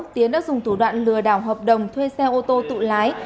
tiến đã dùng thủ đoạn lừa đảo hợp đồng thuê xe ô tô tự lái